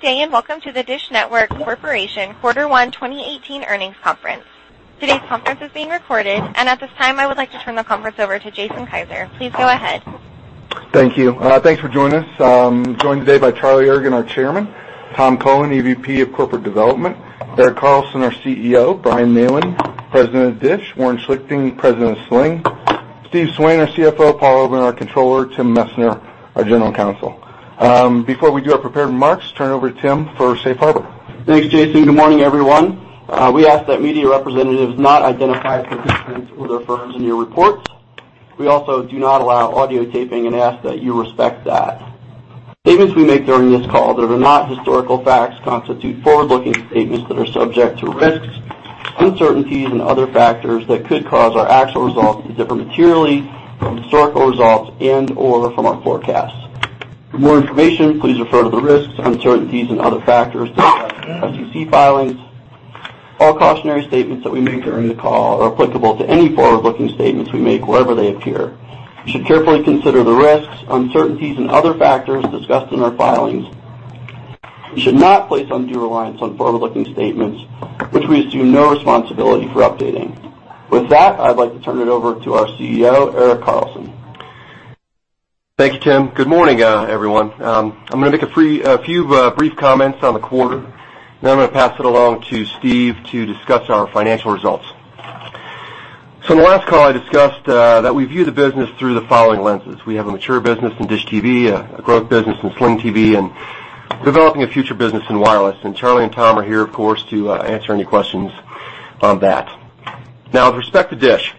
Good day, welcome to the DISH Network Corporation Quarter One 2018 Earnings Conference. Today's conference is being recorded, and at this time, I would like to turn the conference over to Jason Kiser. Please go ahead. Thank you. Thanks for joining us. Joined today by Charlie Ergen, our Chairman; Tom Cullen, Executive Vice President of Corporate Development; Erik Carlson, our CEO; Brian Neylon, President of DISH; Warren Schlichting, President of Sling TV; Steve Swain, our CFO; Paul Orban, Senior Vice President and Chief Accounting Officer; Timothy Messner, our General Counsel. Before we do our prepared remarks, turn it over to Tim for safe harbor. Thanks, Jason. Good morning, everyone. We ask that media representatives not identify participants or their firms in your reports. We also do not allow audio taping and ask that you respect that. Statements we make during this call that are not historical facts constitute forward-looking statements that are subject to risks, uncertainties, and other factors that could cause our actual results to differ materially from historical results and/or from our forecasts. For more information, please refer to the risks, uncertainties, and other factors discussed in our SEC filings. All cautionary statements that we make during the call are applicable to any forward-looking statements we make wherever they appear. You should carefully consider the risks, uncertainties, and other factors discussed in our filings. You should not place undue reliance on forward-looking statements which we assume no responsibility for updating. With that, I'd like to turn it over to our CEO, Erik Carlson. Thank you, Tim. Good morning, everyone. I'm gonna make a few brief comments on the quarter. I'm gonna pass it along to Steve to discuss our financial results. In the last call, I discussed that we view the business through the following lenses. We have a mature business in DISH TV, a growth business in Sling TV, and developing a future business in wireless. Charlie and Tom are here, of course, to answer any questions on that. With respect to DISH,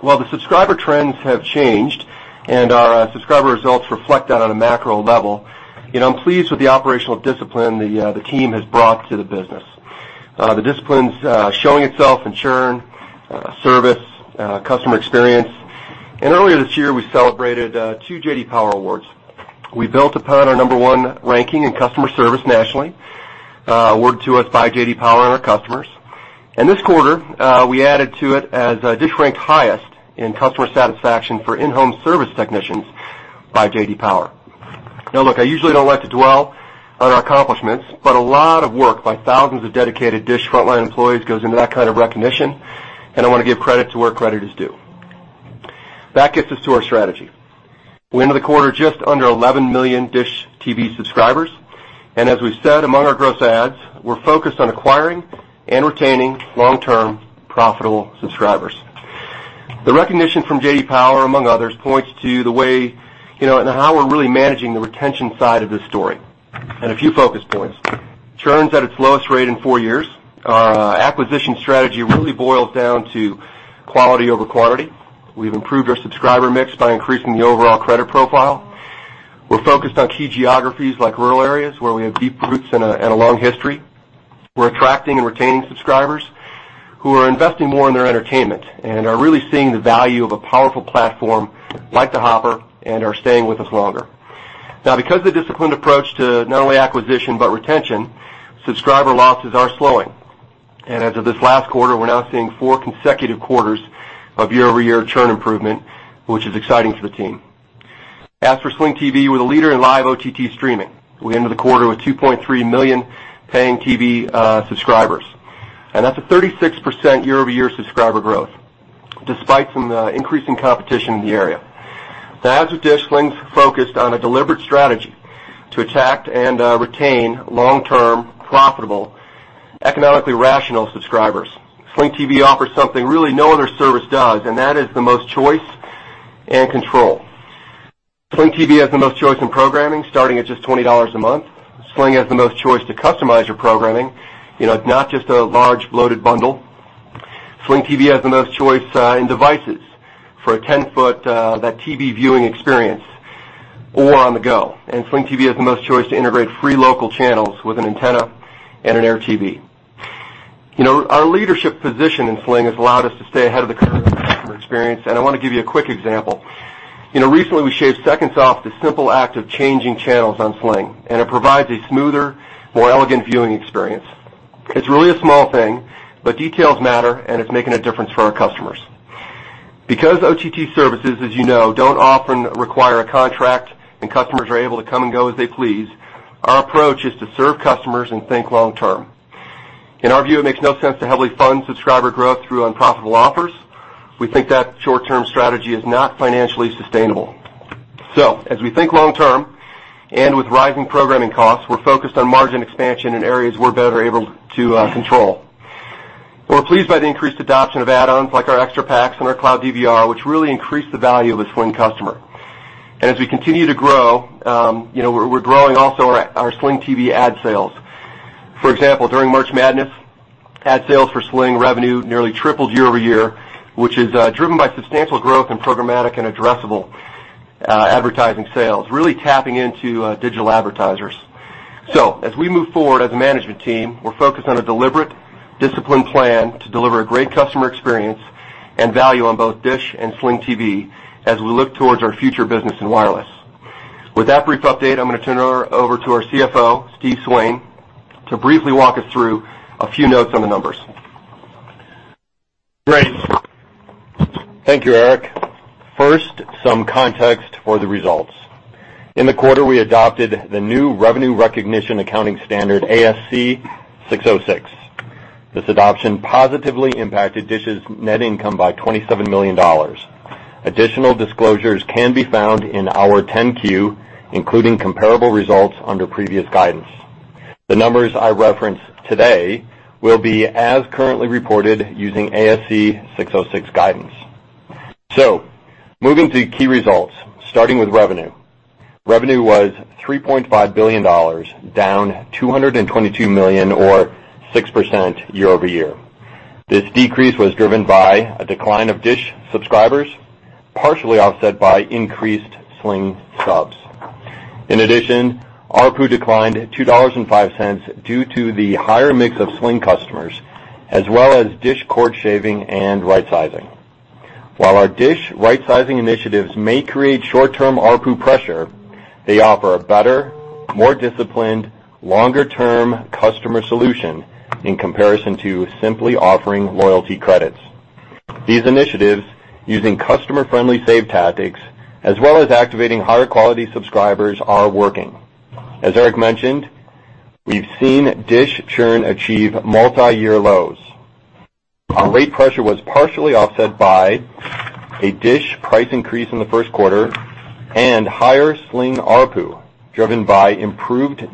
while the subscriber trends have changed and our subscriber results reflect that on a macro level, you know, I'm pleased with the operational discipline the team has brought to the business. The discipline's showing itself in churn, service, customer experience. Earlier this year, we celebrated two J.D. Power awards. We built upon our number one ranking in customer service nationally, awarded to us by J.D. Power and our customers. This quarter, we added to it as DISH ranked highest in customer satisfaction for in-home service technicians by J.D. Power. Now look, I usually don't like to dwell on our accomplishments but a lot of work by thousands of dedicated DISH frontline employees goes into that kind of recognition, and I wanna give credit to where credit is due. That gets us to our strategy. We ended the quarter just under 11 million DISH TV subscribers and as we've said among our gross adds, we're focused on acquiring and retaining long-term profitable subscribers. The recognition from J.D. Power, among others, points to the way, you know, and how we're really managing the retention side of this story. A few focus points. Churn's at its lowest rate in four years. Acquisition strategy really boils down to quality over quantity. We've improved our subscriber mix by increasing the overall credit profile. We're focused on key geographies like rural areas where we have deep roots and a long history. We're attracting and retaining subscribers who are investing more in their entertainment and are really seeing the value of a powerful platform like the Hopper and are staying with us longer. Now because of the disciplined approach to not only acquisition but retention, subscriber losses are slowing. As of this last quarter, we're now seeing four consecutive quarters of year-over-year churn improvement which is exciting for the team. As for Sling TV, we're the leader in live OTT streaming. We ended the quarter with 2.3 million paying TV subscribers, and that's a 36% year-over-year subscriber growth, despite some increasing competition in the area. As with DISH, Sling's focused on a deliberate strategy to attract and retain long-term, profitable, economically rational subscribers. Sling TV offers something really no other service does and that is the most choice and control. Sling TV has the most choice in programming starting at just $20 a month. Sling has the most choice to customize your programming. You know, it's not just a large bloated bundle. Sling TV has the most choice in devices for a 10-foot that TV viewing experience or on the go. Sling TV has the most choice to integrate free local channels with an antenna and an AirTV. You know, our leadership position in Sling has allowed us to stay ahead of the curve in customer experience, and I wanna give you a quick example. You know, recently we shaved seconds off the simple act of changing channels on Sling and it provides a smoother, more elegant viewing experience. It's really a small thing, but details matter, and it's making a difference for our customers. Because OTT services, as you know, don't often require a contract and customers are able to come and go as they please, our approach is to serve customers and think long term. In our view, it makes no sense to heavily fund subscriber growth through unprofitable offers. We think that short-term strategy is not financially sustainable. As we think long term and with rising programming costs, we're focused on margin expansion in areas we're better able to control. We're pleased by the increased adoption of add-ons like our Extra Packs and our Cloud DVR, which really increase the value of a Sling customer. As we continue to grow, you know, we're growing also our Sling TV ad sales. For example, during March Madness, ad sales for Sling revenue nearly tripled year-over-year, which is driven by substantial growth in programmatic and addressable advertising sales, really tapping into digital advertisers. As we move forward as a management team, we're focused on a deliberate, disciplined plan to deliver a great customer experience and value on both DISH and Sling TV as we look towards our future business in wireless. With that brief update, I'm gonna turn it over to our CFO, Steve Swain, to briefly walk us through a few notes on the numbers. Great. Thank you, Erik. First, some context for the results. In the quarter, we adopted the new revenue recognition accounting standard ASC 606. This adoption positively impacted DISH's net income by $27 million. Additional disclosures can be found in our 10-Q, including comparable results under previous guidance. The numbers I reference today will be as currently reported using ASC 606 guidance. Moving to key results, starting with revenue. Revenue was $3.5 billion, down $222 million or 6% year-over-year. This decrease was driven by a decline of DISH subscribers, partially offset by increased Sling subs. In addition, ARPU declined $2.05 due to the higher mix of Sling customers as well as DISH cord shaving and rightsizing. While our DISH rightsizing initiatives may create short-term ARPU pressure, they offer a better, more disciplined, longer-term customer solution in comparison to simply offering loyalty credits. These initiatives, using customer-friendly save tactics as well as activating higher quality subscribers, are working. As Erik mentioned, we've seen DISH churn achieve multi-year lows. Our rate pressure was partially offset by a DISH price increase in the first quarter and higher Sling ARPU, driven by improved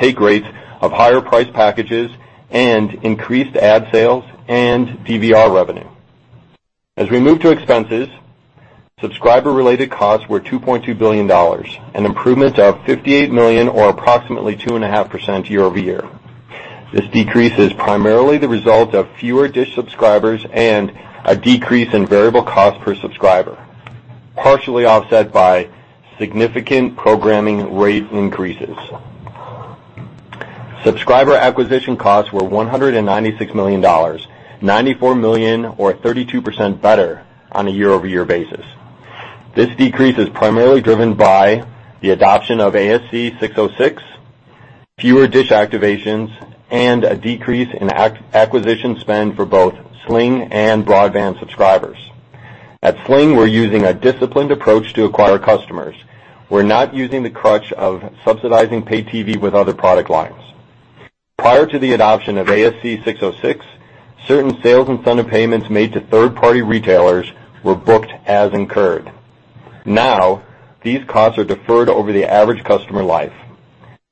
take rates of higher priced packages and increased ad sales and PVR revenue. As we move to expenses, subscriber-related costs were $2.2 billion, an improvement of $58 million or approximately 2.5% year-over-year. This decrease is primarily the result of fewer DISH subscribers and a decrease in variable cost per subscriber, partially offset by significant programming rate increases. Subscriber acquisition costs were $196 million, $94 million or 32% better on a year-over-year basis. This decrease is primarily driven by the adoption of ASC 606, fewer DISH activations, and a decrease in acquisition spend for both Sling and broadband subscribers. At Sling, we're using a disciplined approach to acquire customers. We're not using the crutch of subsidizing pay TV with other product lines. Prior to the adoption of ASC 606, certain sales incentive payments made to third-party retailers were booked as incurred. Now, these costs are deferred over the average customer life.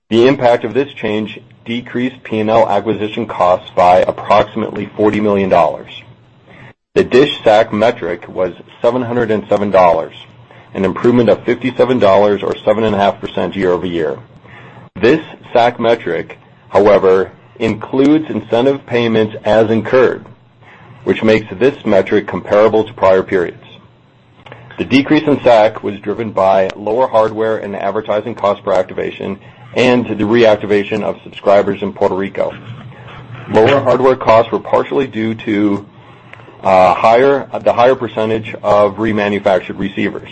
The impact of this change decreased P&L acquisition costs by approximately $40 million. The DISH SAC metric was $707, an improvement of $57 or 7.5% year-over-year. This SAC metric, however, includes incentive payments as incurred, which makes this metric comparable to prior periods. The decrease in SAC was driven by lower hardware and advertising cost per activation and the reactivation of subscribers in Puerto Rico. Lower hardware costs were partially due to the higher percentage of remanufactured receivers,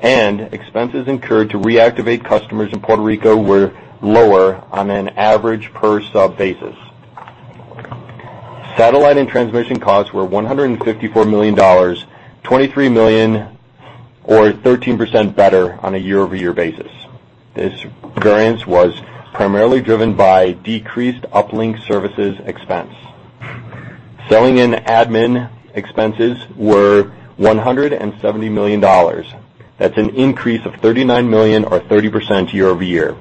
and expenses incurred to reactivate customers in Puerto Rico were lower on an average per sub basis. Satellite and transmission costs were $154 million, $23 million or 13% better on a year-over-year basis. This variance was primarily driven by decreased uplink services expense. Selling and admin expenses were $170 million. That's an increase of $39 million or 30% year-over-year.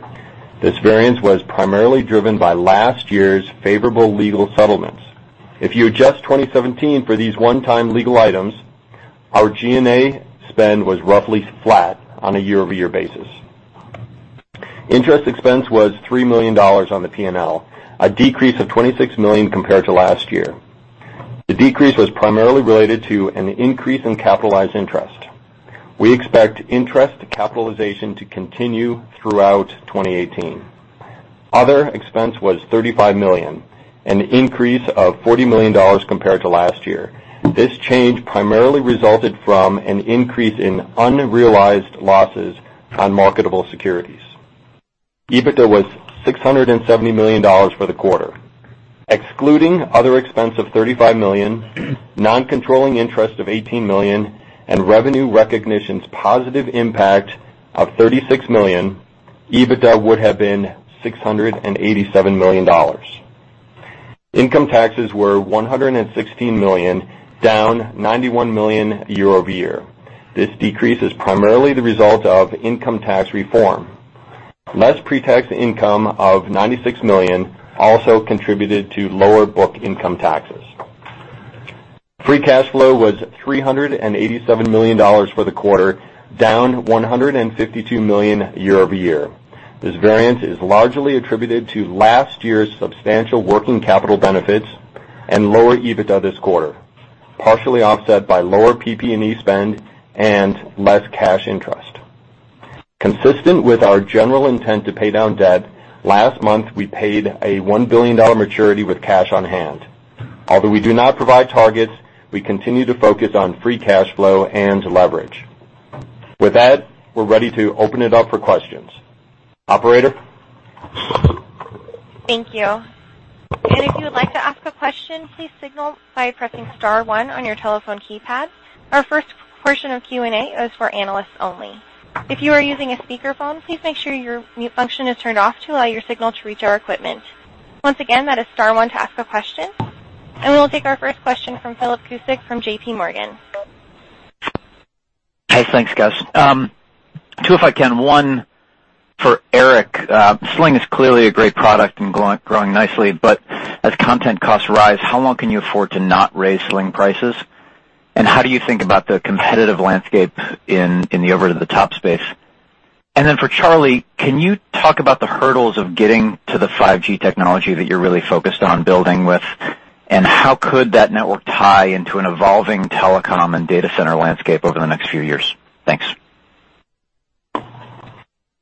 This variance was primarily driven by last year's favorable legal settlements. If you adjust 2017 for these one-time legal items, our G&A spend was roughly flat on a year-over-year basis. Interest expense was $3 million on the P&L, a decrease of $26 million compared to last year. The decrease was primarily related to an increase in capitalized interest. We expect interest capitalization to continue throughout 2018. Other expense was $35 million, an increase of $40 million compared to last year. This change primarily resulted from an increase in unrealized losses on marketable securities. EBITDA was $670 million for the quarter. Excluding other expense of $35 million, non-controlling interest of $18 million, and revenue recognition's positive impact of $36 million, EBITDA would have been $687 million. Income taxes were $116 million, down $91 million year-over-year. This decrease is primarily the result of income tax reform. Less pre-tax income of $96 million also contributed to lower book income taxes. Free cash flow was $387 million for the quarter, down $152 million year-over-year. This variance is largely attributed to last year's substantial working capital benefits and lower EBITDA this quarter, partially offset by lower PP&E spend and less cash interest. Consistent with our general intent to pay down debt, last month, we paid a $1 billion maturity with cash on hand. Although we do not provide targets, we continue to focus on free cash flow and leverage. With that, we're ready to open it up for questions. Operator? Thank you. If you would like to ask a question, please signal by pressing star one on your telephone keypad. Our first portion of Q&A is for analysts only. If you are using a speakerphone, please make sure your mute function is turned off to allow your signal to reach our equipment. Once again, that is star one to ask a question. We'll take our first question from Philip Cusick from J.P. Morgan. Hey, thanks, guys. two, if I can. One for Erik. Sling TV is clearly a great product and growing nicely, but as content costs rise, how long can you afford to not raise Sling TV prices? How do you think about the competitive landscape in the over-the-top space? For Charlie, can you talk about the hurdles of getting to the 5G technology that you're really focused on building with, and how could that network tie into an evolving telecom and data center landscape over the next few years? Thanks. Do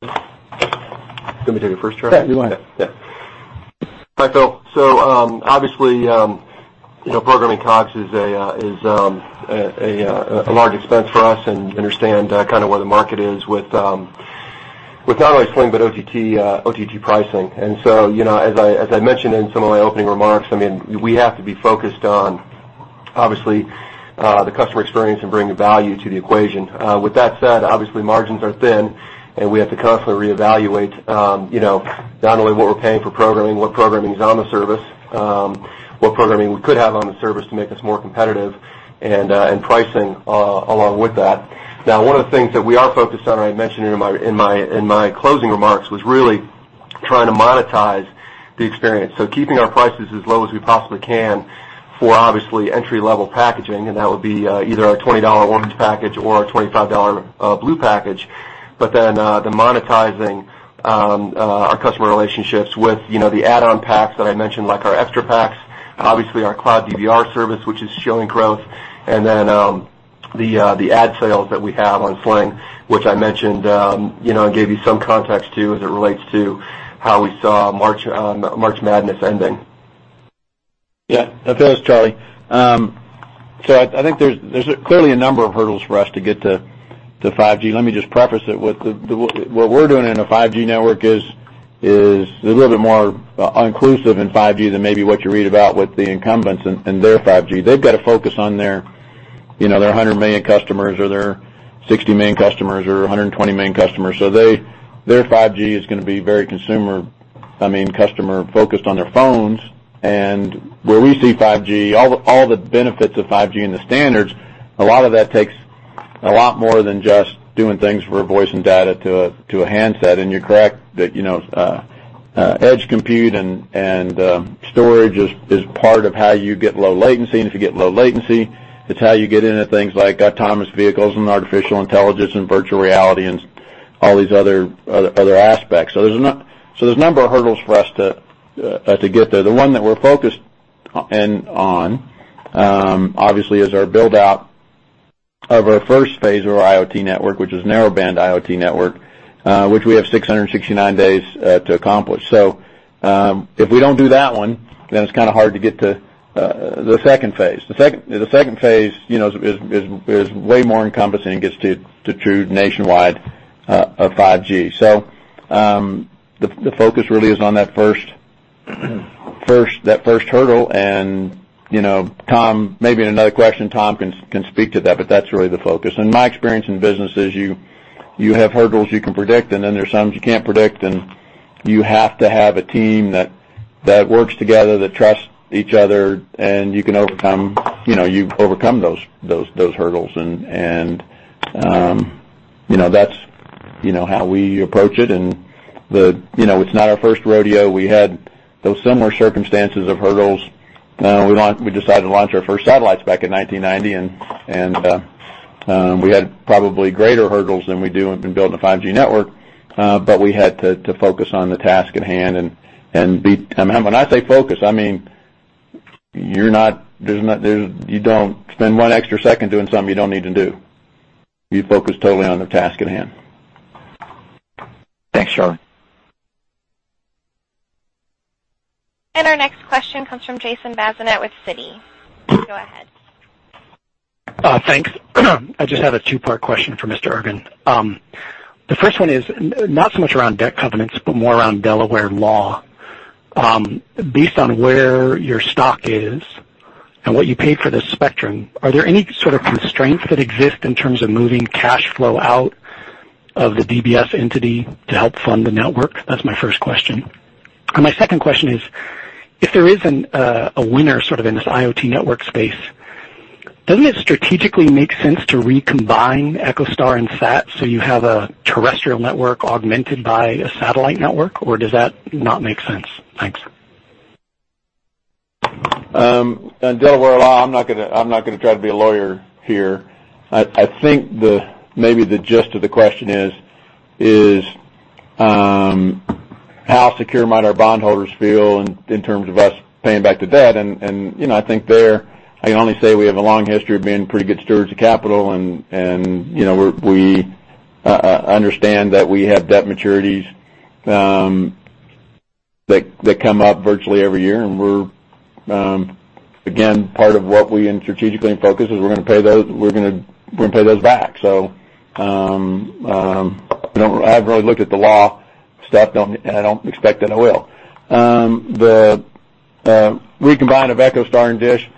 you want me to take it first, Charlie? Yeah, you're fine. Yeah. Obviously, you know, programming costs is a large expense for us and understand kind of where the market is with not only Sling but OTT pricing. You know, as I mentioned in some of my opening remarks, I mean, we have to be focused on, obviously, the customer experience and bringing value to the equation. With that said, obviously, margins are thin and we have to constantly reevaluate, you know, not only what we're paying for programming, what programming is on the service, what programming we could have on the service to make us more competitive and pricing along with that. One of the things that we are focused on, and I mentioned in my closing remarks, was really trying to monetize the experience. Keeping our prices as low as we possibly can for, obviously, entry-level packaging, and that would be, either our $20 Sling Orange package or our $25 Sling Blue package, but then, the monetizing our customer relationships with, you know, the add-on packs that I mentioned, like our Extra Packs, obviously our Cloud DVR service, which is showing growth, and then, the ad sales that we have on Sling which I mentioned, you know, and gave you some context to as it relates to how we saw March March Madness ending. Yeah. Now, Philip, it's Charlie. I think there's clearly a number of hurdles for us to get to 5G. Let me just preface it with the what we're doing in a 5G network is a little bit more inclusive in 5G than maybe what you read about with the incumbents and their 5G. They've got to focus on their, you know, their 100 million customers or their 60 million customers or 120 million customers. Their 5G is gonna be very consumer, I mean, customer-focused on their phones. Where we see 5G, all the benefits of 5G and the standards, a lot of that takes a lot more than just doing things for voice and data to a handset. You're correct that, you know, edge compute and storage is part of how you get low latency. If you get low latency, it's how you get into things like autonomous vehicles and artificial intelligence and virtual reality and all these other aspects. There's a number of hurdles for us to get there. The one that we're focused on, obviously, is our build-out of our first phase of our IoT network, which is Narrowband IoT network, which we have 669 days to accomplish. If we don't do that one, then it's kind of hard to get to the second phase. The second phase, you know, is way more encompassing. It gets to true nationwide 5G. The focus really is on that first hurdle and, you know, Tom, maybe in another question, Tom can speak to that, but that's really the focus. In my experience in business is you have hurdles you can predict, and then there's some you can't predict, and you have to have a team that works together, that trusts each other, and you can overcome, you know, you overcome those hurdles. You know, that's, you know, how we approach it and the You know, it's not our first rodeo. We had those similar circumstances of hurdles when we decided to launch our first satellites back in 1990. We had probably greater hurdles than we do in building a 5G network but we had to focus on the task at hand. When I say focus, I mean, you're not, you don't spend one extra second doing something you don't need to do. You focus totally on the task at hand. Thanks, Charlie. Our next question comes from Jason Bazinet with Citi. Go ahead. Thanks. I just had a two-part question for Mr. Ergen. The first one is not so much around debt covenants but more around Delaware law. Based on where your stock is and what you paid for the spectrum, are there any sort of constraints that exist in terms of moving cash flow out of the DBS entity to help fund the network? That's my first question. My second question is, if there is a winner sort of in this IoT network space, doesn't it strategically make sense to recombine EchoStar and DISH so you have a terrestrial network augmented by a satellite network, or does that not make sense? Thanks. On Delaware law, I'm not gonna try to be a lawyer here. I think the, maybe the gist of the question is how secure might our bondholders feel in terms of us paying back the debt? You know, I think there, I can only say we have a long history of being pretty good stewards of capital and, you know, we understand that we have debt maturities that come up virtually every year. Again, part of what we strategically and focus is we're gonna pay those back. I haven't really looked at the law stuff, and I don't expect that I will. The recombine of EchoStar and DISH,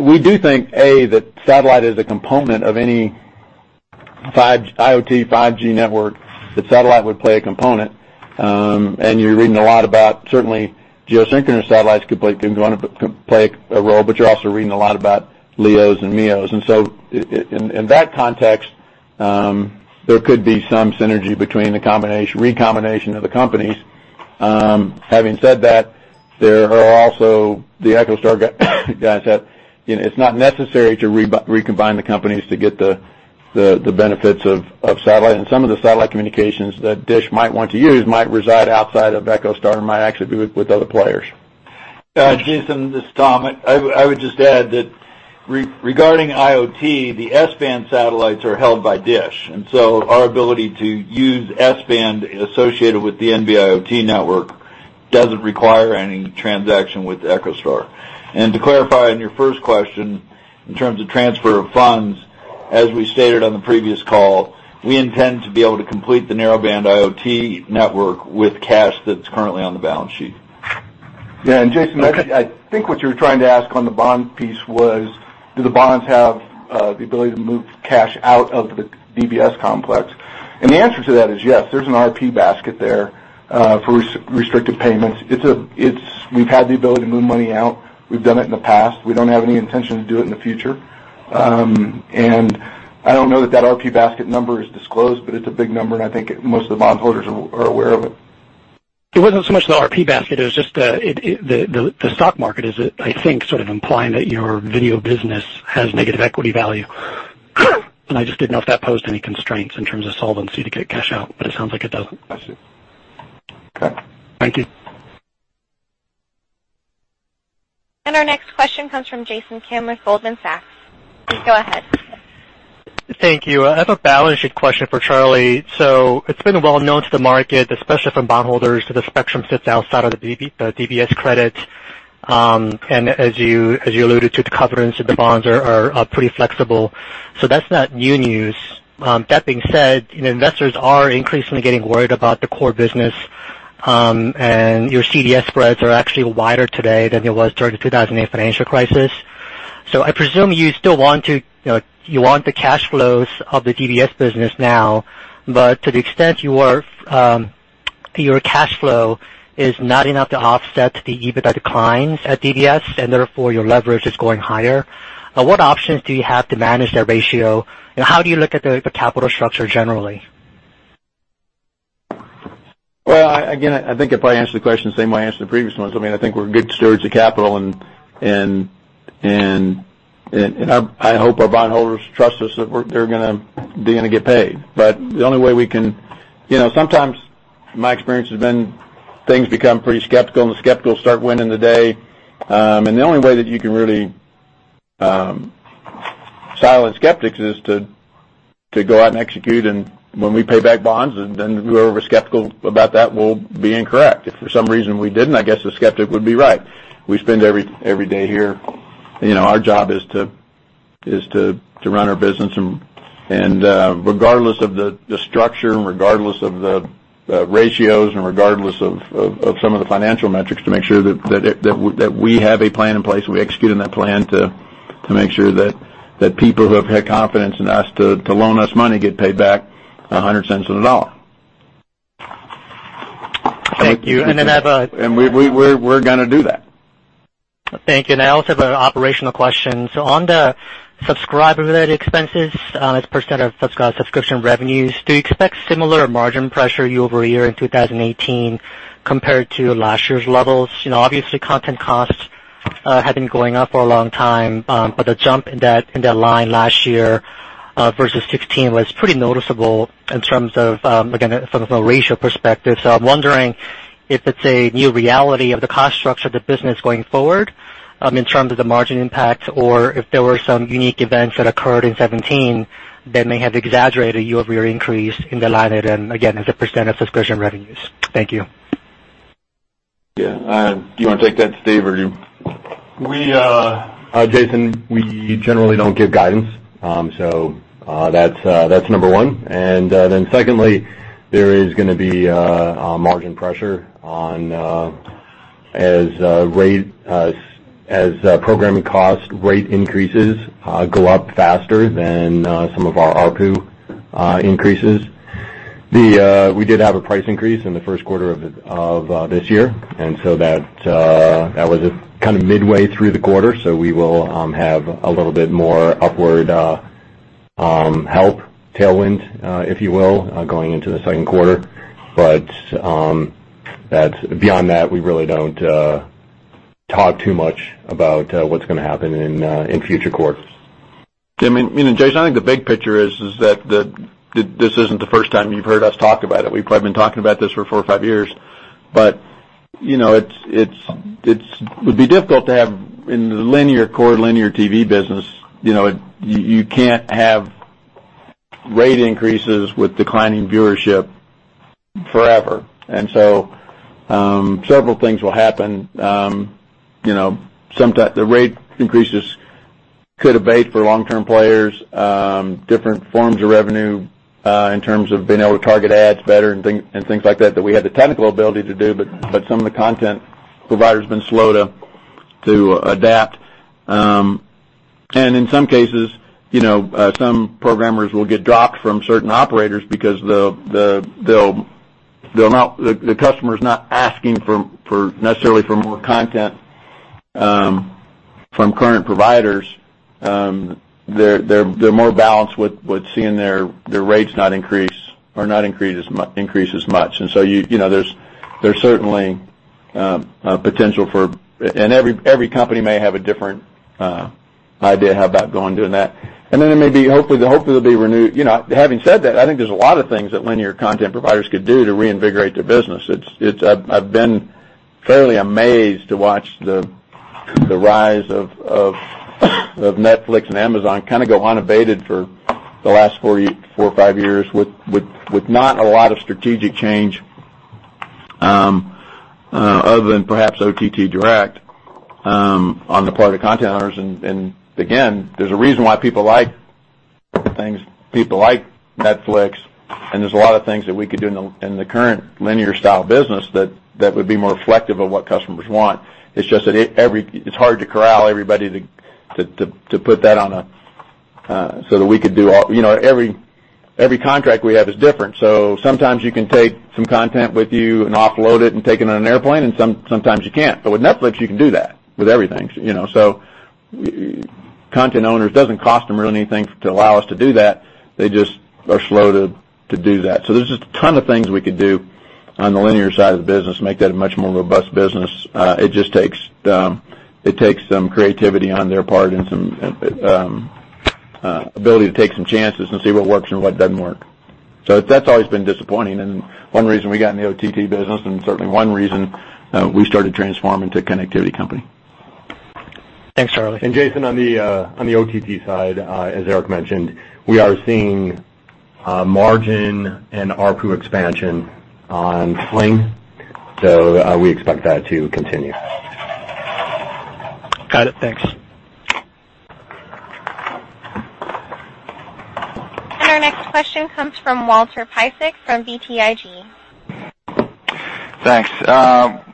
we do think, A, that satellite is a component of any IoT 5G network, that satellite would play a component. You're reading a lot about certainly geosynchronous satellites can play a role but you're also reading a lot about LEOs and MEOs. In that context, there could be some synergy between the recombination of the companies. Having said that, there are also the EchoStar guys that, you know, it's not necessary to recombine the companies to get the benefits of satellite. Some of the satellite communications that DISH might want to use might reside outside of EchoStar and might actually be with other players. Jason, this is Tom. I would just add that regarding IoT, the S-band satellites are held by DISH. Our ability to use S-band associated with the NB-IoT network doesn't require any transaction with EchoStar. To clarify on your first question, in terms of transfer of funds, as we stated on the previous call, we intend to be able to complete the Narrowband IoT network with cash that's currently on the balance sheet. Jason, what you're trying to ask on the bond piece was, do the bonds have the ability to move cash out of the DBS complex? The answer to that is yes. There's an RP basket there for restricted payments. We've had the ability to move money out. We've done it in the past. We don't have any intention to do it in the future. I don't know that that RP basket number is disclosed but it's a big number, and I think most of the bondholders are aware of it. It wasn't so much the RP basket, it was just the stock market is, I think, sort of implying that your video business has negative equity value. I just didn't know if that posed any constraints in terms of solvency to get cash out but it sounds like it doesn't. I see. Okay. Thank you. Our next question comes from Jason Kim with Goldman Sachs. Please go ahead. Thank you. I have a balance sheet question for Charlie. It's been well known to the market, especially from bondholders, that the spectrum sits outside of the DBS credit. As you, as you alluded to, the covenants of the bonds are pretty flexible. That's not new news. That being said, you know, investors are increasingly getting worried about the core business, and your CDS spreads are actually wider today than it was during the 2008 financial crisis. I presume you still want to, you know, you want the cash flows of the DBS business now. To the extent your cash flow is not enough to offset the EBITDA declines at DBS, and therefore, your leverage is going higher, what options do you have to manage that ratio, and how do you look at the capital structure generally? Well, again, I think if I answer the question the same way I answered the previous ones, I mean, I think we're good stewards of capital and I hope our bondholders trust us that they're gonna get paid. You know, sometimes my experience has been things become pretty skeptical, and the skeptical start winning the day. The only way that you can really silence skeptics is to go out and execute. When we pay back bonds, whoever's skeptical about that will be incorrect. If for some reason we didn't, I guess the skeptic would be right. We spend every day here. You know, our job is to run our business and regardless of the structure, and regardless of the ratios, and regardless of some of the financial metrics, to make sure that we have a plan in place, and we execute on that plan to make sure that people who have had confidence in us to loan us money get paid back $100 on the dollar. Thank you. We're gonna do that. Thank you. I also have an operational question. On the subscriber-related expenses, as a percent of subscription revenues, do you expect similar margin pressure year-over-year in 2018 compared to last year's levels? You know, obviously, content costs have been going up for a long time, but the jump in that, in that line last year, versus 16 was pretty noticeable in terms of, again, from a ratio perspective. I'm wondering if it's a new reality of the cost structure of the business going forward, in terms of the margin impact, or if there were some unique events that occurred in 17 that may have exaggerated year-over-year increase in the line item, again, as a percent of subscription revenues. Thank you. Yeah. Do you wanna take that, Steve, or do you? We, Jason, we generally don't give guidance, that's number onr. Secondly, there is gonna be a margin pressure on as programming cost rate increases go up faster than some of our ARPU increases. We did have a price increase in the first quarter of this year, that was just kind of midway through the quarter. We will have a little bit more upward help tailwind, if you will, going into the second quarter. Beyond that, we really don't talk too much about what's gonna happen in future quarters. I mean, you know, Jason, I think the big picture is that this isn't the first time you've heard us talk about it. We've probably been talking about this for four or five years. You know, it would be difficult to have in the core linear TV business, you know, you can't have rate increases with declining viewership forever. Several things will happen. You know, the rate increases could abate for long-term players, different forms of revenue, in terms of being able to target ads better and thing, and things like that we have the technical ability to do but some of the content provider's been slow to adapt. In some cases, you know, some programmers will get dropped from certain operators because the customer's not asking for necessarily for more content from current providers. They're more balanced with seeing their rates not increase or not increase as much. You know, there's certainly potential for every company may have a different idea how about going doing that. There may be, hopefully. You know, having said that, I think there's a lot of things that linear content providers could do to reinvigorate their business. I've been fairly amazed to watch the rise of Netflix and Amazon kind of go unabated for the last four or five years with not a lot of strategic change other than perhaps OTT Direct on the part of content owners. Again, there's a reason why people like things, people like Netflix, and there's a lot of things that we could do in the current linear style business that would be more reflective of what customers want. It's just that every it's hard to corral everybody to put that on a so that we could do all. You know, every contract we have is different, so sometimes you can take some content with you and offload it and take it on an airplane, and sometimes you can't. With Netflix, you can do that with everything, you know? Content owners, doesn't cost them really anything to allow us to do that, they just are slow to do that. There's just a ton of things we could do on the linear side of the business, make that a much more robust business. It just takes, it takes some creativity on their part and some ability to take some chances and see what works and what doesn't work. That's always been disappointing, and one reason we got in the OTT business, and certainly one reason we started transforming to a connectivity company. Thanks, Charlie. Jason, on the on the OTT side, as Erik mentioned, we are seeing margin and ARPU expansion on Sling. We expect that to continue. Got it. Thanks. Our next question comes from Walter Piecyk from BTIG. Thanks.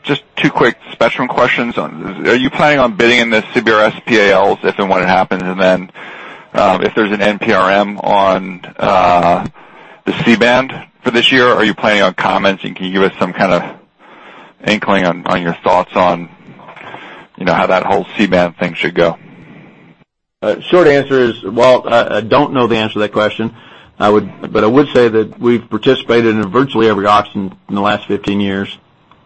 Just two quick spectrum questions. Are you planning on bidding in the CBRS PALs, if and when it happens? Then, if there's an NPRM on the C-band for this year, are you planning on comments, and can you give us some kind of inkling on your thoughts on, you know, how that whole C-band thing should go? Short answer is, Walt, I don't know the answer to that question. I would say that we've participated in virtually every auction in the last 15 years,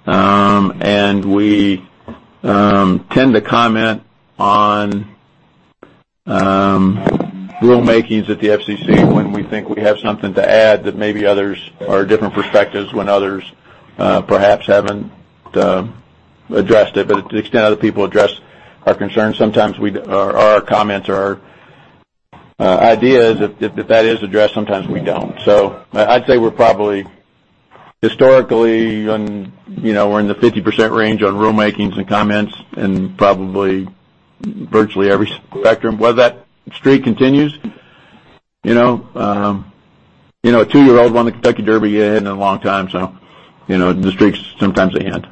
and we tend to comment on rulemakings at the FCC when we think we have something to add that maybe others or different perspectives when others perhaps haven't addressed it. To the extent other people address our concerns, sometimes our comments or our ideas, if that is addressed, sometimes we don't. I'd say we're probably historically on, you know, we're in the 50% range on rulemakings and comments and probably virtually every spectrum. Whether that streak continues, you know, a two-year-old won the Kentucky Derby, it hadn't in a long time, so, you know, the streak's sometimes they end.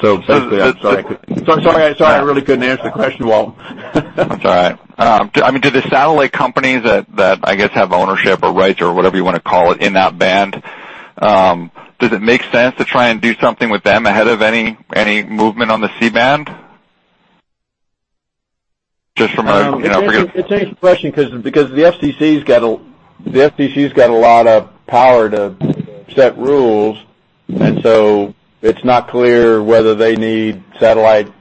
basically, I'm sorry. I'm sorry, I really couldn't answer the question, Walt. That's all right. I mean, do the satellite companies that I guess have ownership or rights or whatever you wanna call it in that band, does it make sense to try and do something with them ahead of any movement on the C-band? Just from a, you know, for your- It's an interesting question 'cause the FCC's got a lot of power to set rules. It's not clear whether they need satellite,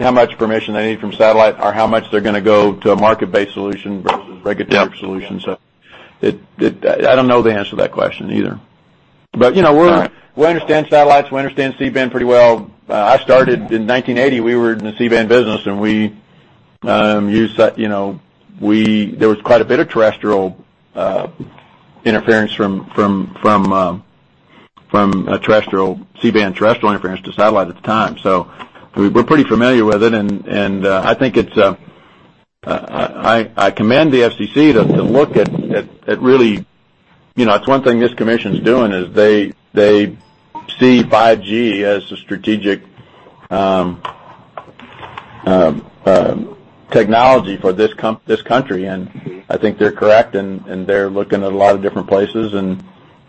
how much permission they need from satellite or how much they're gonna go to a market-based solution versus regulatory solution. Yeah. I don't know the answer to that question either. You know, we're. All right. We understand satellites, we understand C-band pretty well. I started in 1980, we were in the C-band business and we used that, you know, there was quite a bit of terrestrial C-band terrestrial interference to satellite at the time. We're pretty familiar with it and I think I commend the FCC to look at really. You know, it's one thing this commission's doing is they see 5G as the strategic technology for this country. I think they're correct, and they're looking at a lot of different places, and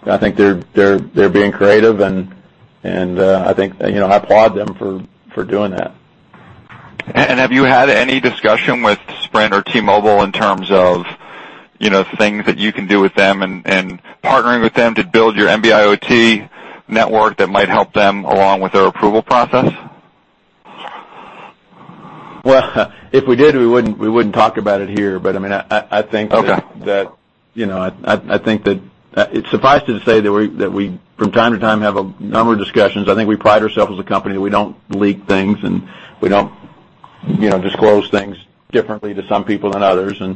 I think they're being creative and I think, you know, I applaud them for doing that. Have you had any discussion with Sprint or T-Mobile in terms of, you know, things that you can do with them and partnering with them to build your NB-IoT network that might help them along with their approval process? Well, if we did, we wouldn't talk about it here. I mean, I think that. Okay. That, you know, I think that it's suffice to say that we from time to time, have a number of discussions. I think we pride ourselves as a company, we don't leak things, and we don't, you know, disclose things differently to some people than others. You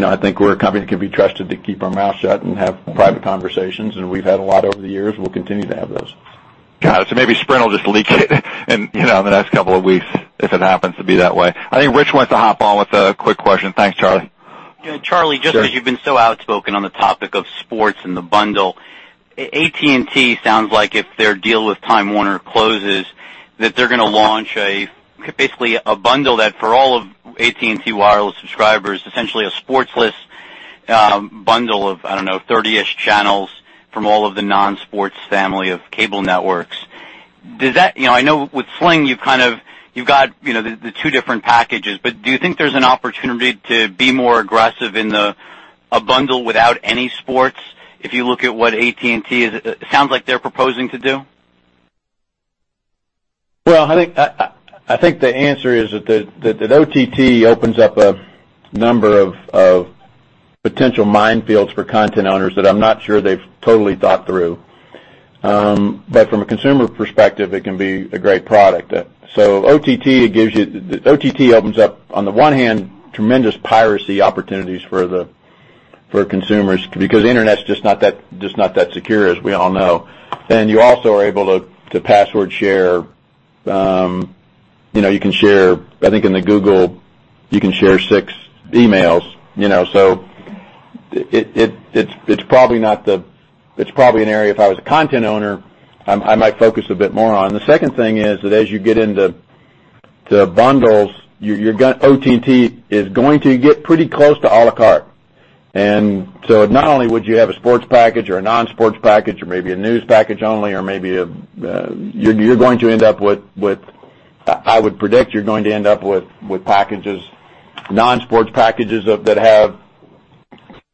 know, I think we're a company that can be trusted to keep our mouth shut and have private conversations, and we've had a lot over the years. We'll continue to have those. Got it. Maybe Sprint will just leak it in, you know, the next couple of weeks if it happens to be that way. I think Rich wants to hop on with a quick question. Thanks, Charlie. Yeah, Charlie, just because you've been so outspoken on the topic of sports and the bundle, AT&T sounds like if their deal with Time Warner closes, that they're gonna launch a, basically a bundle that for all of AT&T Wireless subscribers, essentially a sports-less bundle of, I don't know, 30-ish channels from all of the non-sports family of cable networks. You know, I know with Sling, you kind of, you've got, you know, the two different packages, do you think there's an opportunity to be more aggressive in the, a bundle without any sports if you look at what AT&T is, it sounds like they're proposing to do? I think the answer is that OTT opens up a number of potential minefields for content owners that I'm not sure they've totally thought through. From a consumer perspective, it can be a great product. OTT opens up, on the one hand, tremendous piracy opportunities for consumers because the internet is just not that secure, as we all know. You also are able to password share, you know, you can share, I think in the Google, you can share six emails, you know. It's probably an area, if I was a content owner, I might focus a bit more on. The second thing is that as you get into the bundles, OTT is going to get pretty close to à la carte. Not only would you have a sports package or a non-sports package or maybe a news package only or maybe, you're going to end up with, I would predict you're going to end up with packages that have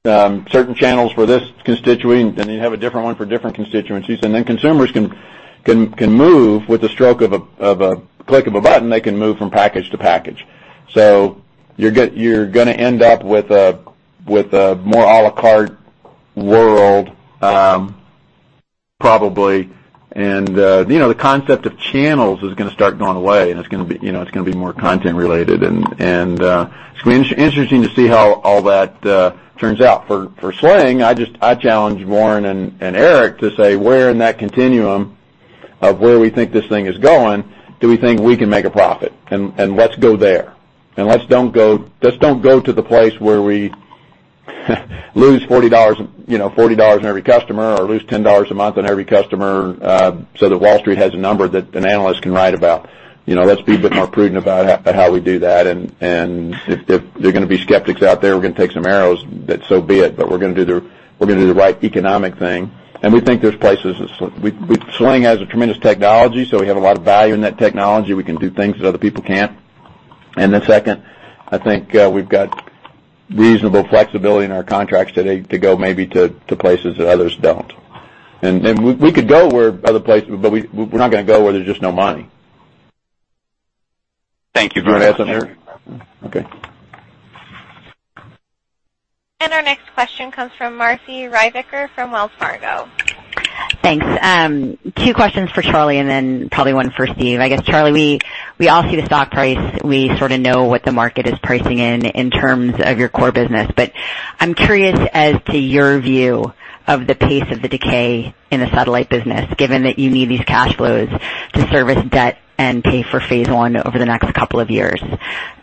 certain channels for this constituent, and you have a different one for different constituencies. Consumers can move with the stroke of a click of a button, they can move from package to package. You're gonna end up with a more à la carte world, probably. You know, the concept of channels is gonna start going away, and it's gonna be, you know, it's gonna be more content related. It's gonna be interesting to see how all that turns out. For Sling, I challenge Warren and Erik to say, where in that continuum of where we think this thing is going, do we think we can make a profit? Let's go there. Let's don't go to the place where we lose $40, you know, $40 on every customer or lose $10 a month on every customer, so that Wall Street has a number that an analyst can write about. You know, let's be a bit more prudent about how we do that. If they're gonna be skeptics out there, we're gonna take some arrows, that so be it. We're gonna do the right economic thing. We think there's places. Sling has a tremendous technology, so we have a lot of value in that technology. We can do things that other people can't. Second, I think, we've got reasonable flexibility in our contracts today to go maybe to places that others don't. We could go where other places, but we're not gonna go where there's just no money. Thank you very much. You want to add something, Erik? Okay. Our next question comes from Marci Ryvicker from Wells Fargo. Thanks. Two questions for Charlie and then probably one for Steve. I guess, Charlie, we all see the stock price. We sort of know what the market is pricing in terms of your core business. But I'm curious as to your view of the pace of the decay in the satellite business, given that you need these cash flows to service debt and pay for phase I over the next couple of years.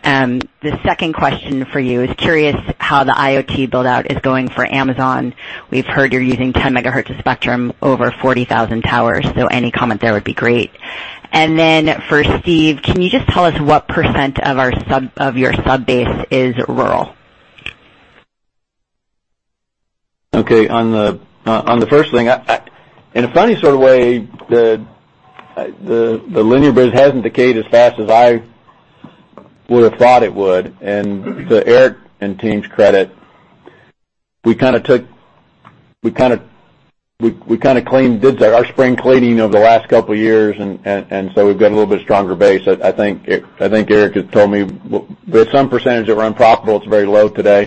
The second question for you is curious how the IoT build-out is going for Amazon. We've heard you're using 10 MHz of spectrum over 40,000 towers, so any comment there would be great. For Steve, can you just tell us what percent of your sub base is rural? Okay. On the first thing, in a funny sort of way, the linear biz hasn't decayed as fast as I would have thought it would. To Erik and team's credit, we kinda cleaned, did our spring cleaning over the last couple of years, we've got a little bit stronger base. I think Erik had told me there's some percentage that are unprofitable. It's very low today.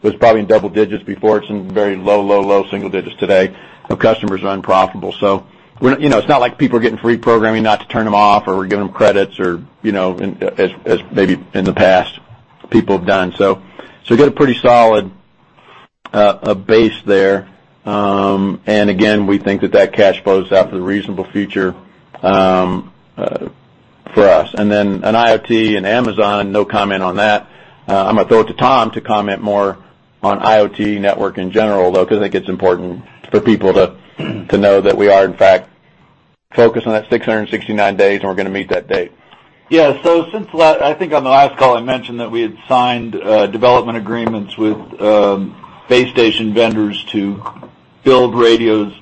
It was probably in double digits before. It's in very low single digits today of customers are unprofitable. We're, you know, it's not like people are getting free programming not to turn them off or we're giving them credits or, you know, as maybe in the past people have done. We've got a pretty solid base there. Again, we think that that cash flow is out for the reasonable future for us. On IoT and Amazon, no comment on that. I'm gonna throw it to Tom to comment more on IoT network in general, though, because I think it's important for people to know that we are, in fact, focused on that 669 days, and we're gonna meet that date. Yeah. Since I think on the last call, I mentioned that we had signed development agreements with base station vendors to build radios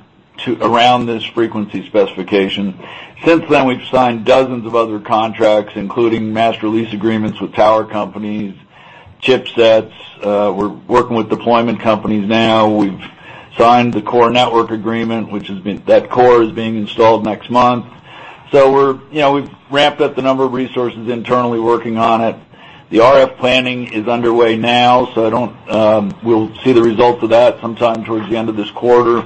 around this frequency specification. Since then, we've signed dozens of other contracts, including master lease agreements with tower companies, chipsets. We're working with deployment companies now. We've signed the core network agreement, which that core is being installed next month. We're, you know, we've ramped up the number of resources internally working on it. The RF planning is underway now. We'll see the results of that sometime towards the end of this quarter.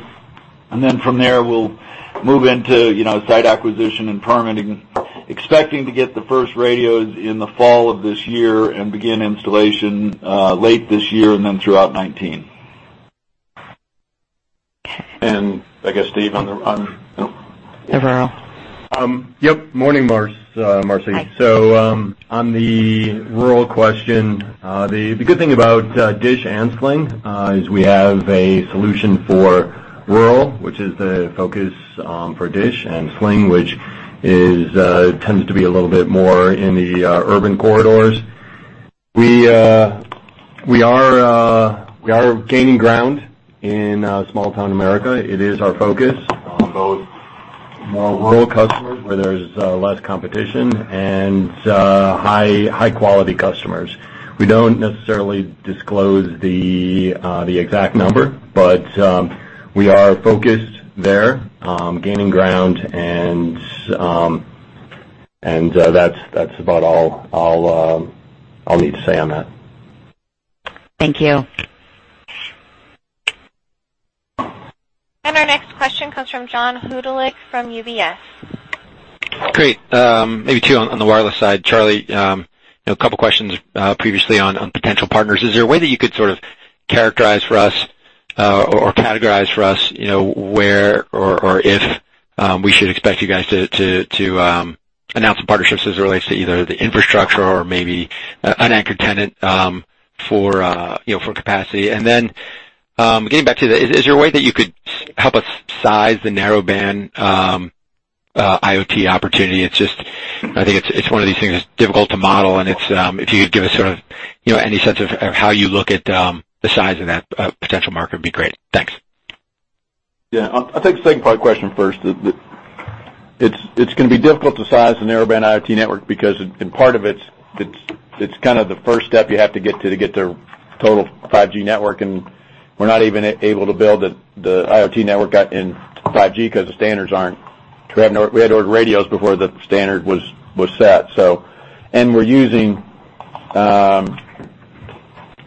From there, we'll move into, you know, site acquisition and permitting. Expecting to get the first radios in the fall of this year and begin installation, late this year and then throughout 2019. I guess, Steve, on Oh. Yep. Morning, Marci. Hi. On the rural question, the good thing about DISH and Sling is we have a solution for rural, which is the focus for DISH and Sling, which tends to be a little bit more in the urban corridors. We are gaining ground in small town America. It is our focus on both rural customers where there's less competition and high quality customers. We don't necessarily disclose the exact number, but we are focused there, gaining ground and that's about all I'll need to say on that. Thank you. Our next question comes from John Hodulik from UBS. Great. Maybe two on the wireless side. Charlie, a couple questions previously on potential partners. Is there a way that you could sort of characterize for us, or categorize for us, where or if, we should expect you guys to announce some partnerships as it relates to either the infrastructure or maybe an anchor tenant for capacity? Getting back to the Is, is there a way that you could help us size the Narrowband IoT opportunity? It's just, I think it's one of these things that's difficult to model and it's, if you could give us sort of any sense of how you look at the size of that potential market would be great. Thanks. Yeah. I'll take the second part of the question first. The It's gonna be difficult to size a Narrowband IoT network because it, and part of it's kind of the first step you have to get to to get to total 5G network, and we're not even able to build the IoT network at, in 5G because the standards aren't We had to order radios before the standard was set. We're using, some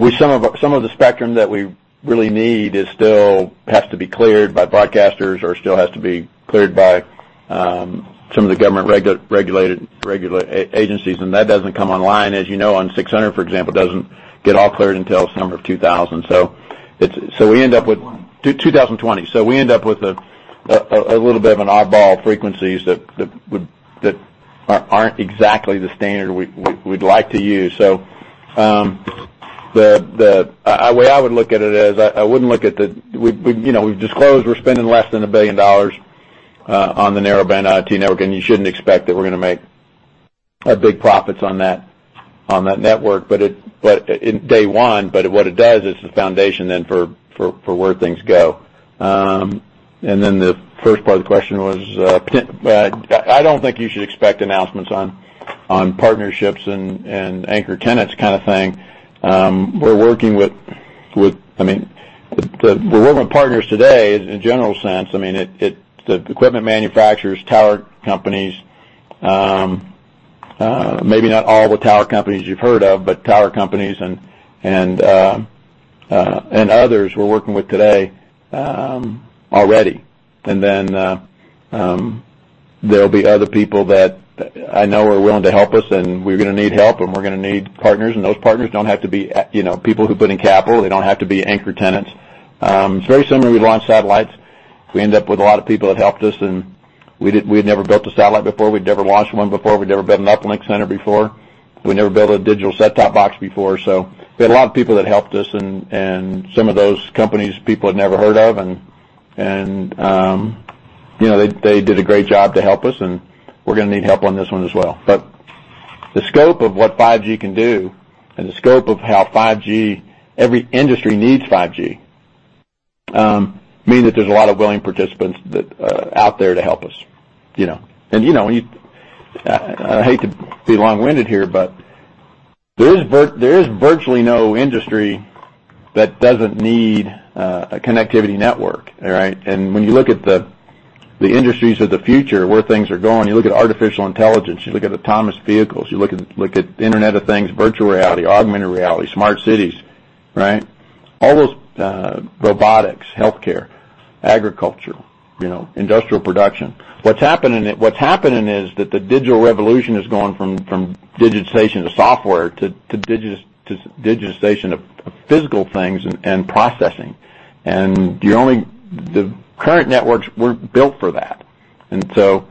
of the spectrum that we really need is still has to be cleared by broadcasters or still has to be cleared by some of the government regulated agencies, and that doesn't come online, as you know, on 600, for example, it doesn't get all cleared until summer of 2000. It's, we end up with 2020. We end up with a little bit of an oddball frequencies that aren't exactly the standard we'd like to use. The way I would look at it is I wouldn't look at the, you know, we've disclosed we're spending less than a billion dollars on the Narrowband IoT network, and you shouldn't expect that we're gonna make big profits on that network. It, day one, what it does is the foundation then for where things go. The first part of the question was, I don't think you should expect announcements on partnerships and anchor tenants kind of thing. We're working with, I mean, the relevant partners today is in a general sense, I mean, the equipment manufacturers, tower companies, maybe not all the tower companies you've heard of, but tower companies and others we're working with today already. There'll be other people that I know are willing to help us, and we're gonna need help and we're gonna need partners, and those partners don't have to be, you know, people who put in capital. They don't have to be anchor tenants. It's very similar when we launched satellites. We ended up with a lot of people that helped us, and we did, we had never built a satellite before. We'd never launched one before. We'd never built an uplink center before. We never built a digital set-top box before. We had a lot of people that helped us and some of those companies, people had never heard of. You know, they did a great job to help us, and we're gonna need help on this one as well. The scope of what 5G can do and the scope of how 5G, every industry needs 5G, mean that there's a lot of willing participants that out there to help us, you know. You know, you, I hate to be long-winded here, but there is virtually no industry that doesn't need a connectivity network, all right? When you look at the industries of the future, where things are going, you look at artificial intelligence, you look at autonomous vehicles, you look at Internet of Things, virtual reality, augmented reality, smart cities, right? All those, robotics, healthcare, agriculture, you know, industrial production. What's happening is that the digital revolution is going from digitization to software to digitization of physical things and processing. The current networks weren't built for that. You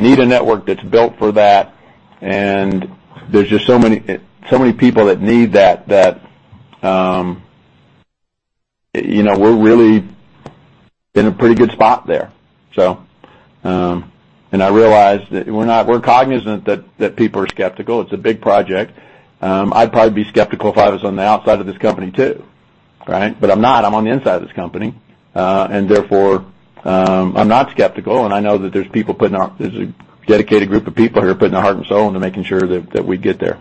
need a network that's built for that, and there's just so many, so many people that need that, you know, we're really in a pretty good spot there. I realize that we're not, we're cognizant that people are skeptical. It's a big project. I'd probably be skeptical if I was on the outside of this company too, right? I'm not, I'm on the inside of this company. Therefore, I'm not skeptical and I know that there's a dedicated group of people who are putting their heart and soul into making sure that we get there.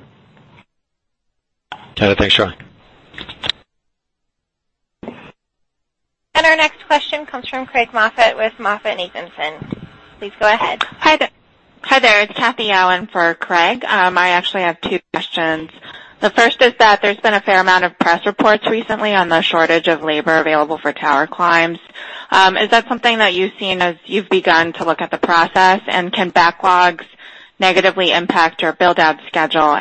Got it. Thanks, Charlie. Our next question comes from Craig Moffett with MoffettNathanson. Please go ahead. Hi there. It's Kathy Allen for Craig. I actually have two questions. The first is that there's been a fair amount of press reports recently on the shortage of labor available for tower climbs. Is that something that you've seen as you've begun to look at the process? Can backlogs negatively impact your build-out schedule?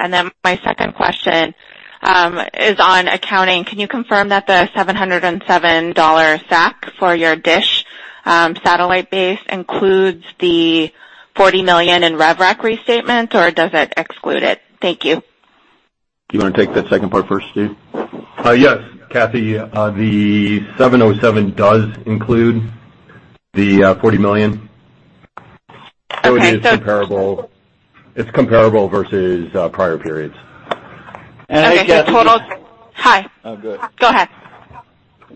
My second question is on accounting. Can you confirm that the $707 SAC for your DISH satellite base includes the $40 million in rev rec restatements, or does it exclude it? Thank you. Do you wanna take that second part first, Steve? Yes, Kathy. The 707 does include the $40 million. Okay, so It is comparable. It's comparable versus prior periods. And I guess Okay. Hi. Oh, go ahead. Go ahead.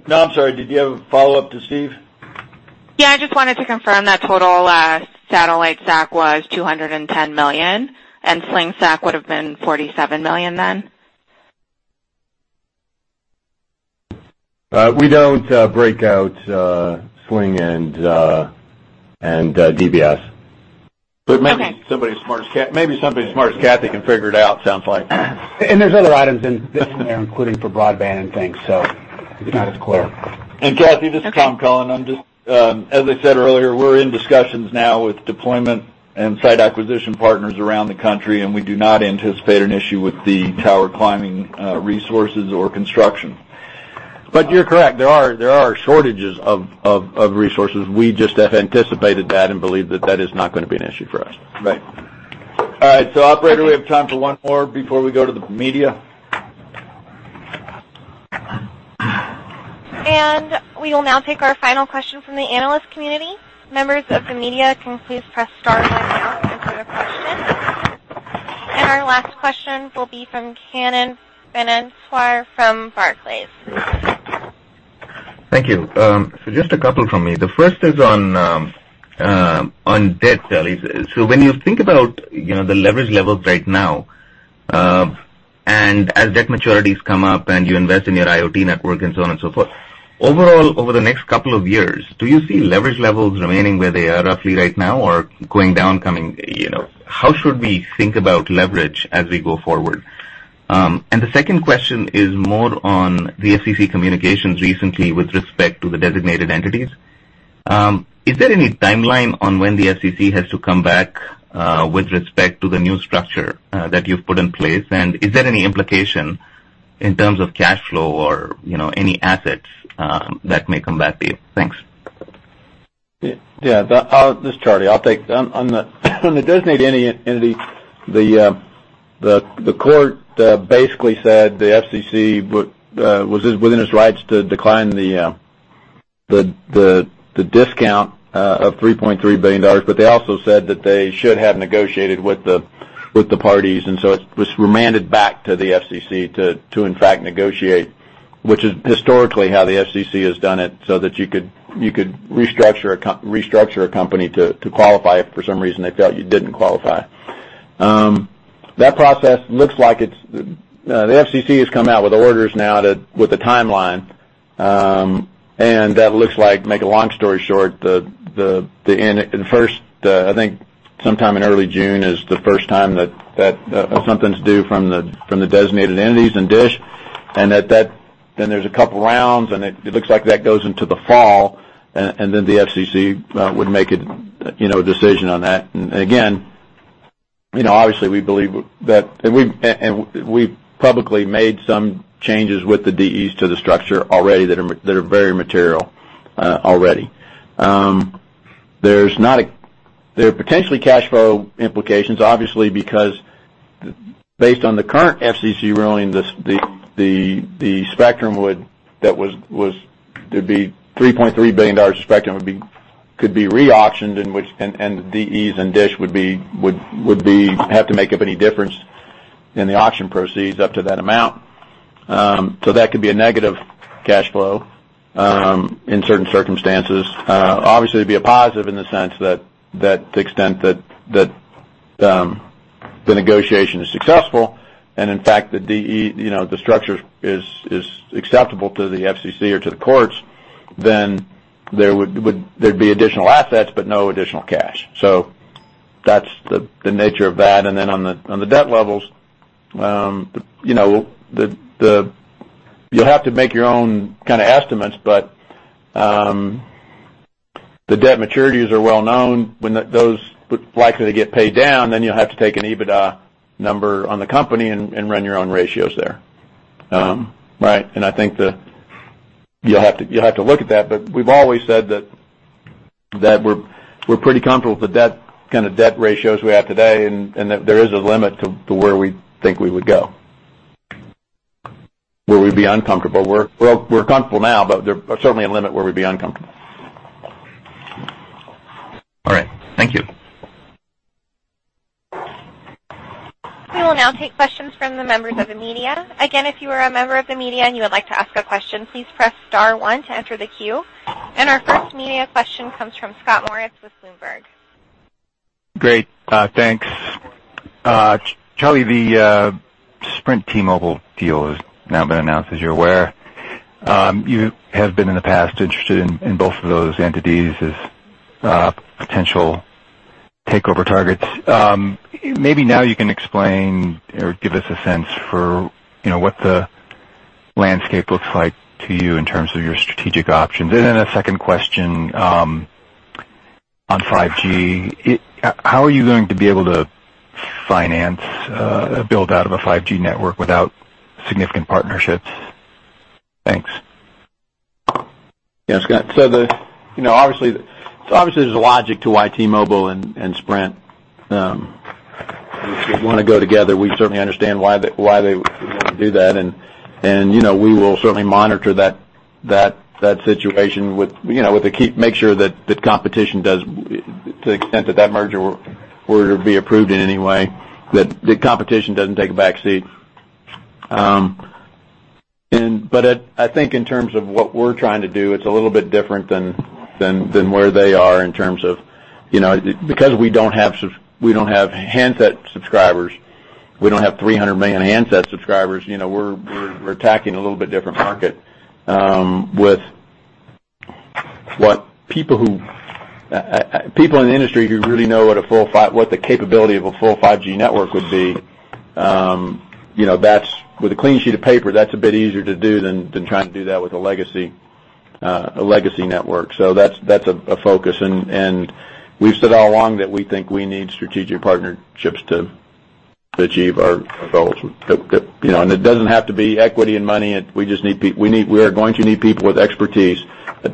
No, I'm sorry. Did you have a follow-up to Steve? I just wanted to confirm that total satellite SAC was $210 million and Sling SAC would've been $47 million then. We don't break out Sling and DBS. Okay. Maybe somebody as smart as Kathy can figure it out, sounds like. There's other items in there including for broadband and things, so it's not as clear. Kathy. Okay This is Tom Cullen. I'm just, as I said earlier, we're in discussions now with deployment and site acquisition partners around the country, and we do not anticipate an issue with the tower climbing resources or construction. You're correct. There are shortages of resources. We just have anticipated that and believe that that is not gonna be an issue for us. Right. All right. Operator, we have time for one more before we go to the media. We will now take our final question from the analyst community. Members of the media can please press star right now to ask their question. Our last question will be from Kannan Venkateshwar from Barclays. Thank you. Just a couple from me. The first is on debt levels. When you think about, you know, the leverage levels right now, and as debt maturities come up and you invest in your IoT network and so on and so forth, overall, over the next couple of years, do you see leverage levels remaining where they are roughly right now or going down coming, you know? How should we think about leverage as we go forward? The second question is more on the FCC communications recently with respect to the Designated Entities. Is there any timeline on when the FCC has to come back with respect to the new structure that you've put in place? Is there any implication in terms of cash flow or, you know, any assets, that may come back to you? Thanks. his is Charlie. I'll take on the Designated Entity. The court basically said the FCC was within its rights to decline the discount of $3.3 billion. They also said that they should have negotiated with the parties. It was remanded back to the FCC to in fact negotiate, which is historically how the FCC has done it, so that you could restructure a company to qualify if for some reason they felt you didn't qualify. That process looks like it's, the FCC has come out with orders now to, with a timeline. That looks like, make a long story short, the end, the first, I think sometime in early June is the first time that something's due from the Designated Entities and DISH. That, then there's a couple rounds, and it looks like that goes into the fall, and then the FCC would make a decision on that. Again, obviously we believe that we've and we've publicly made some changes with the DEs to the structure already that are very material already. There are potentially cash flow implications, obviously, because based on the current FCC ruling, the spectrum would be $3.3 billion of spectrum would be, could be re-auctioned, in which, and the DEs and DISH would be have to make up any difference in the auction proceeds up to that amount. That could be a negative cash flow in certain circumstances. Obviously, it'd be a positive in the sense that to the extent that the negotiation is successful and in fact, the DE, you know, the structure is acceptable to the FCC or to the courts, then there would there'd be additional assets but no additional cash. That's the nature of that. On the debt levels, you'll have to make your own kinda estimates but the debt maturities are well known. When those would likely get paid down, you'll have to take an EBITDA number on the company and run your own ratios there. Right? I think you'll have to look at that. We've always said that we're pretty comfortable with the debt, kinda debt ratios we have today, and that there is a limit to where we think we would go, where we'd be uncomfortable. We're comfortable now, but there are certainly a limit where we'd be uncomfortable. All right. Thank you. We will now take questions from the members of the media. Again, if you are a member of the media and you would like to ask a question, please press star one to enter the queue. Our first media question comes from Scott Moritz with Bloomberg. Great. Thanks. Charlie, the Sprint T-Mobile deal has now been announced, as you're aware. You have been in the past interested in both of those entities as potential takeover targets. Maybe now you can explain or give us a sense for, you know, what the landscape looks like to you in terms of your strategic options. A second question on 5G. How are you going to be able to finance a build-out of a 5G network without significant partnerships? Thanks. Yeah, Scott. You know, obviously there's a logic to why T-Mobile and Sprint want to go together. We certainly understand why they would do that, and, you know, we will certainly monitor that situation with, you know, make sure that the competition does, to the extent that that merger were to be approved in any way, that the competition doesn't take a back seat. I think in terms of what we're trying to do, it's a little bit different than where they are in terms of, you know, because we don't have handset subscribers, we don't have 300 million handset subscribers, you know, we're attacking a little bit different market, with what people who people in the industry who really know what the capability of a full 5G network would be, you know, that's, with a clean sheet of paper, that's a bit easier to do than trying to do that with a legacy network. That's a focus. We've said all along that we think we need strategic partnerships to achieve our goals. You know, it doesn't have to be equity and money. We are going to need people with expertise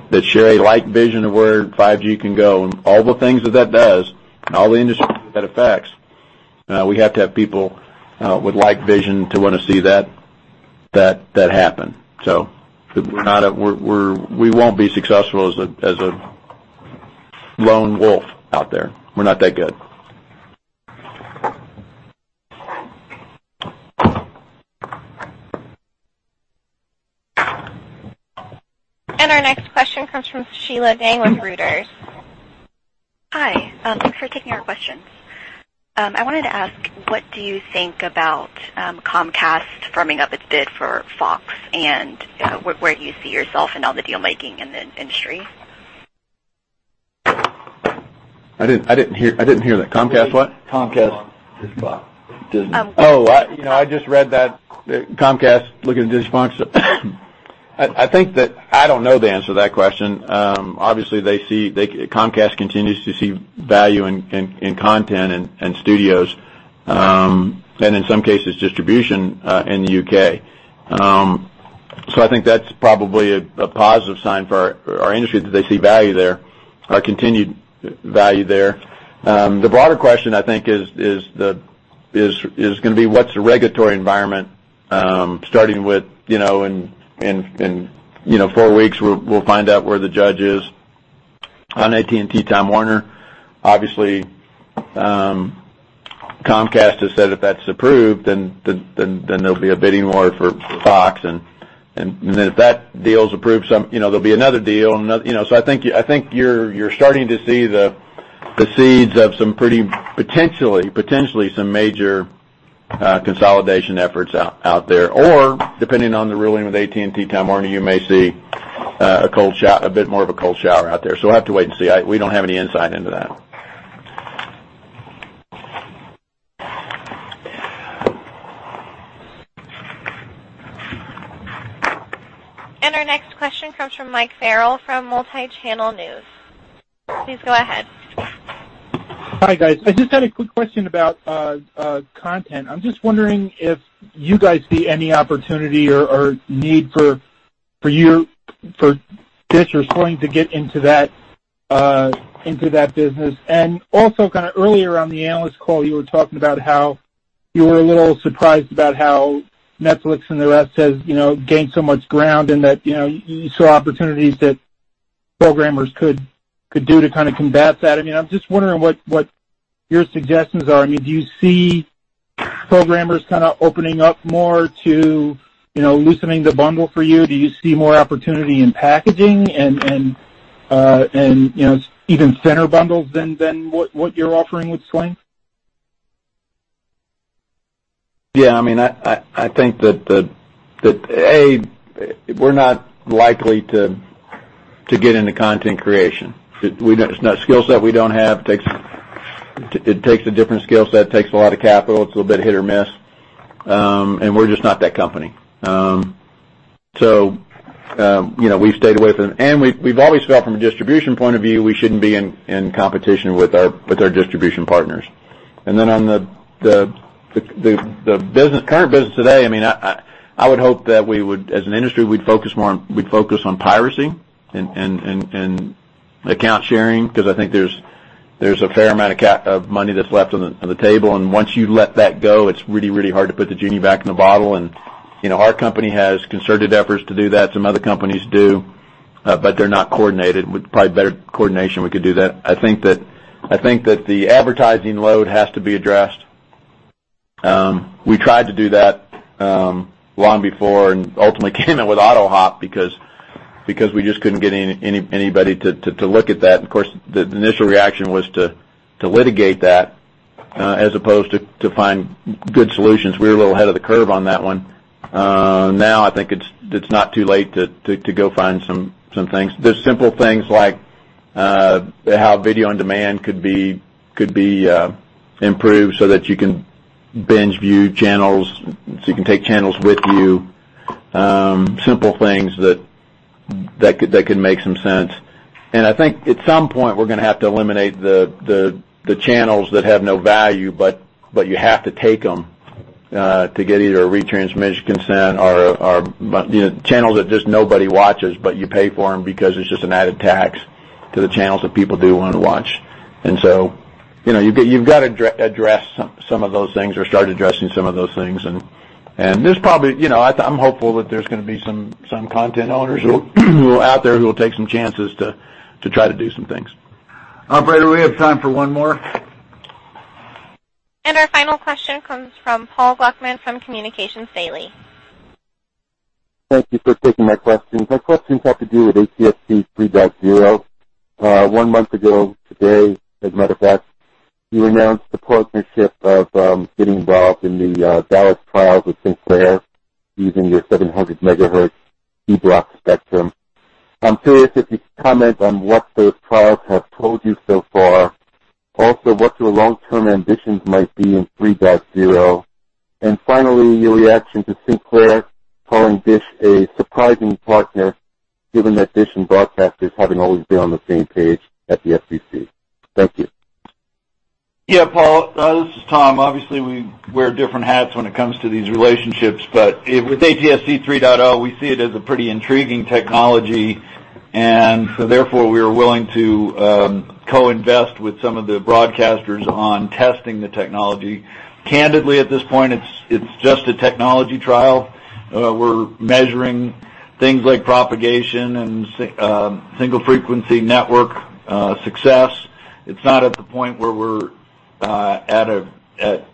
that share a like vision of where 5G can go and all the things that that does and all the industries that affects. We have to have people with like vision to wanna see that happen. We won't be successful as a lone wolf out there. We're not that good. Our next question comes from Sheila Dang with Reuters. Hi. Thanks for taking our questions. I wanted to ask, what do you think about Comcast firming up its bid for Fox, and where do you see yourself in all the deal-making in the industry? I didn't hear that. Comcast what? Comcast is Fox. Disney. I, you know, I just read that. Comcast looking at Disney Fox. I think that I don't know the answer to that question. Obviously, Comcast continues to see value in content and studios, and in some cases, distribution in the U.K. I think that's probably a positive sign for our industry that they see value there or continued value there. The broader question I think is what's the regulatory environment, starting with, you know, in four weeks, we'll find out where the judge is on AT&T Time Warner. Obviously, Comcast has said if that's approved, then there'll be a bidding war for Fox. Then if that deal is approved, you know, there'll be another deal, and another, you know, I think you're starting to see the seeds of some pretty potentially major consolidation efforts out there. Depending on the ruling with AT&T Time Warner, you may see a bit more of a cold shower out there. We'll have to wait and see. We don't have any insight into that. Our next question comes from Mike Farrell from Multichannel News. Please go ahead. Hi, guys. I just had a quick question about content. I'm just wondering if you guys see any opportunity or need for DISH or Sling TV to get into that business. Also kind of earlier on the analyst call, you were talking about how you were a little surprised about how Netflix and the rest has, you know, gained so much ground and that, you know, you saw opportunities that programmers could do to kind of combat that. I mean, I'm just wondering what your suggestions are. I mean, do you see programmers kind of opening up more to, you know, loosening the bundle for you? Do you see more opportunity in packaging and, you know, even thinner bundles than what you're offering with Sling TV? Yeah. I mean, I think that we're not likely to get into content creation. It's not a skill set we don't have. It takes a different skill set. It takes a lot of capital. It's a little bit hit or miss. We're just not that company. You know, we've stayed away from it. We've always felt from a distribution point of view, we shouldn't be in competition with our distribution partners. On the current business today, I mean, I would hope that we would, as an industry, we'd focus on piracy and account sharing because I think there's a fair amount of money that's left on the table. Once you let that go, it's really, really hard to put the genie back in the bottle. You know, our company has concerted efforts to do that. Some other companies do, but they're not coordinated. With probably better coordination, we could do that. I think that the advertising load has to be addressed. We tried to do that long before and ultimately came out with AutoHop because we just couldn't get anybody to look at that. Of course, the initial reaction was to litigate that as opposed to find good solutions. We were a little ahead of the curve on that one. Now I think it's not too late to go find some things. There's simple things like how video on demand could be improved so that you can binge view channels, so you can take channels with you. Simple things that could make some sense. I think at some point, we're gonna have to eliminate the channels that have no value but you have to take them to get either a retransmission consent or, you know, channels that just nobody watches, but you pay for them because it's just an added tax to the channels that people do want to watch. You know, you've got to address some of those things or start addressing some of those things. There's probably You know, I'm hopeful that there's gonna be some content owners who out there who will take some chances to try to do some things. Operator, we have time for one more. Our final question comes from Paul Gluckman from Communications Daily. Thank you for taking my questions. My questions have to do with ATSC 3.0. One month ago today, as a matter of fact, you announced the partnership of getting involved in the Dallas trials with Sinclair using your 700 MHz E-block spectrum. I'm curious if you could comment on what those trials have told you so far. Also, what your long-term ambitions might be in 3.0. Finally, your reaction to Sinclair calling DISH a surprising partner, given that DISH and broadcasters having always been on the same page at the FCC. Thank you. Paul, this is Tom. Obviously, we wear different hats when it comes to these relationships, but with ATSC 3.0, we see it as a pretty intriguing technology, and so therefore, we are willing to co-invest with some of the broadcasters on testing the technology. Candidly, at this point, it's just a technology trial. We're measuring things like propagation and single frequency network success. It's not at the point where we're at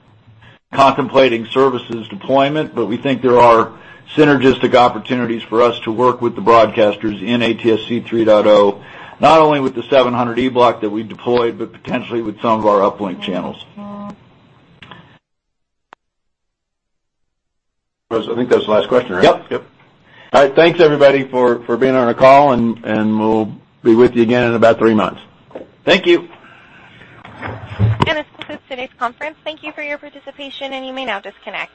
contemplating services deployment, but we think there are synergistic opportunities for us to work with the broadcasters in ATSC 3.0, not only with the 700 E-block that we deployed, but potentially with some of our uplink channels. I think that was the last question, right? Yep. Yep. All right. Thanks, everybody for being on our call. We'll be with you again in about three months. Thank you. This concludes today's conference. Thank you for your participation, and you may now disconnect.